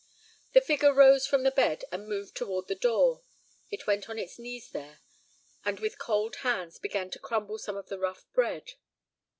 The figure rose from the bed and moved toward the door. It went on its knees there, and with cold hands began to crumble some of the rough bread.